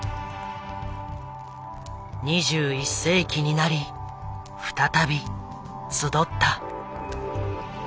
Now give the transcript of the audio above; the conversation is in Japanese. ２１世紀になり再び集った。